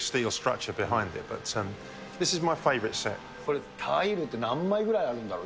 これタイルって何枚ぐらいあるんだろう。